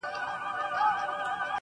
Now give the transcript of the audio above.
لا به په تا پسي توېږي اوښکي,